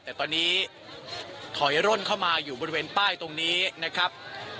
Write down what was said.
แต่ตอนนี้ถอยร่นเข้ามาอยู่บริเวณป้ายตรงนี้นะครับ